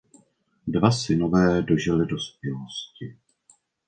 Dva synové dožili dospělosti.